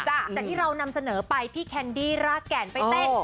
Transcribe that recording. จากที่เรานำเสนอไปพี่แคนดี้รากแก่นไปเต้น